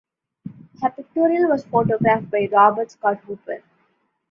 Her pictorial was photographed by Robert Scott Hooper.